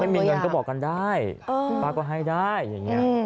ไม่มีเงินก็บอกกันได้ป้าก็ให้ได้อย่างนี้